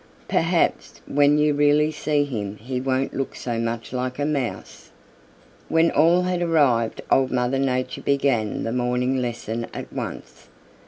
"Perhaps when you really see him he won't look so much like a Mouse." When all had arrived Old Mother Nature began the morning lesson at once.